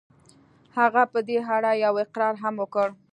هغه په دې اړه يو اقرار هم وکړ.